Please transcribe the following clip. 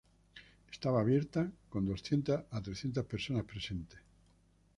Estaba abierta, con doscientas a trescientas personas presentes.